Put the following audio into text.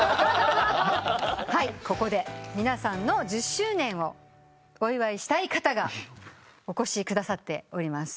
ここで皆さんの１０周年をお祝いしたい方がお越しくださっております。